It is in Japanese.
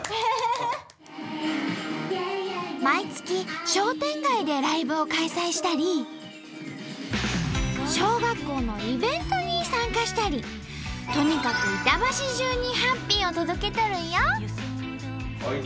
毎月商店街でライブを開催したり小学校のイベントに参加したりとにかく板橋じゅうにハッピーを届けとるんよ！